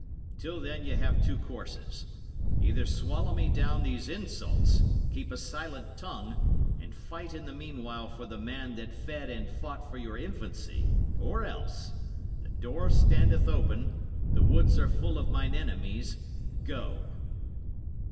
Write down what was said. Till then ye have two courses: either swallow me down these insults, keep a silent tongue, and fight in the meanwhile for the man that fed and fought for your infancy; or else the door standeth open, the woods are full of mine enemies go."